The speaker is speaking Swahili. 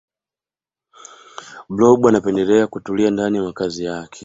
blob anapendelea kutulia ndani ya makazi yake